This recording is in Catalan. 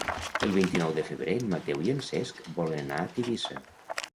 El vint-i-nou de febrer en Mateu i en Cesc volen anar a Tivissa.